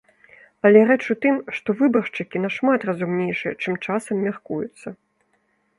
Але рэч у тым, што выбаршчыкі нашмат разумнейшыя, чым часам мяркуецца.